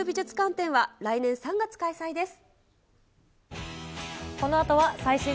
展は、来年３月開催です。